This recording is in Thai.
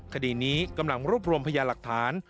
คดีนี้กำลังรวบรวมพยาหลักฐาน